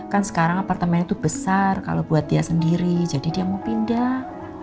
kan sekarang apartemen itu besar kalau buat dia sendiri jadi dia mau pindah